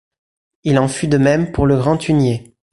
Il en fut de même pour le grand hunier.